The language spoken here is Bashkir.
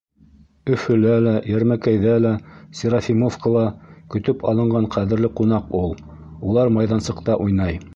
Өфөлә лә, Йәрмәкәйҙә лә, Серафимовкала ла көтөп алынған ҡәҙерле ҡунаҡ ул. Улар майҙансыҡта уйнай.